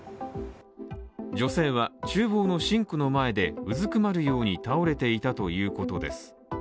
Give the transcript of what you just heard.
女性は厨房のシンクの前でうずくまるように倒れていたということです